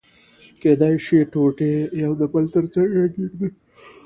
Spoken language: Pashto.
کېدای شي ټوټې يو د بل تر څنګه کېږدي.